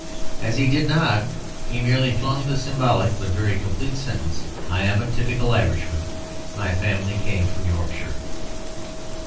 As he did not he merely flung the symbolic, but very complete sentence, "I am a typical Irishman; my family came from Yorkshire."